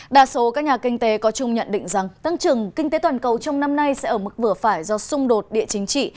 đa số các nhà kinh tế có chung nhận định rằng tăng trưởng kinh tế toàn cầu trong năm nay sẽ ở mức vừa phải do xung đột địa chính trị